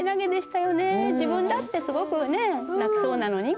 自分だってすごくね泣きそうなのに。